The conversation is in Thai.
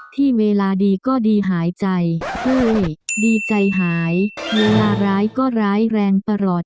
ที่เวลาดีก็ดีหายใจเฮ้ยดีใจหายเวลาร้ายก็ร้ายแรงตลอด